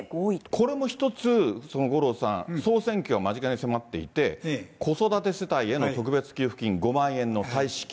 これも一つ、五郎さん、総選挙が間近に迫っていて、子育て世帯への特別給付金５万円の再支給。